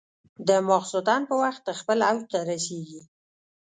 د ماخوستن په وخت خپل اوج ته رسېږي.